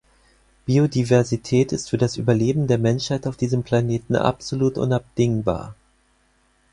Biodiversität ist für das Überleben der Menschheit auf diesem Planeten absolut unabdingbar.